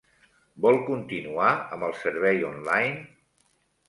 Vol continuar amb el servei online?